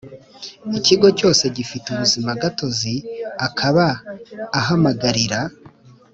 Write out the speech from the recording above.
ikigo cyose gifite ubuzima gatozi akaba ahamagarira